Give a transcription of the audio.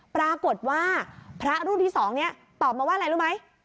ปรากฏว่าพระรูปที่๒นี้ตอบมาว่าอะไรรู้ไหม